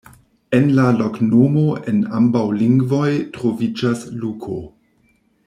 En la loknomo en ambaŭ lingvoj troviĝas Luko.